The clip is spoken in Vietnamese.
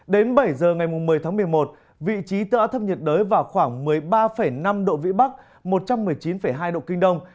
đến bảy giờ ngày một mươi tháng một mươi một vị trí tâm áp thấp nhiệt đới vào khoảng một mươi ba năm độ vĩ bắc một trăm một mươi chín hai độ kinh đông